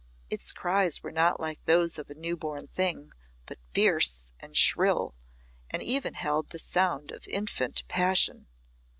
Its cries were not like those of a new born thing, but fierce and shrill, and even held the sound of infant passion.